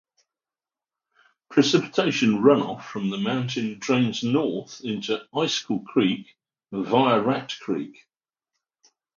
Precipitation runoff from the mountain drains north into Icicle Creek via Rat Creek.